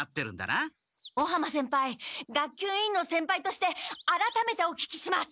尾浜先輩学級委員の先輩としてあらためてお聞きします！